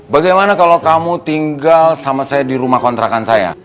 bagaimana kalau kamu tinggal sama saya di rumah kontrakan saya